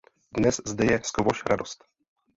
Dnes zde je "Squash Radost".